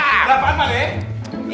berapaan pak dek